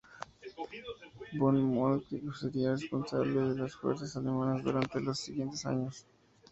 Von Moltke sería responsable de las fuerzas alemanas durante los siguientes años.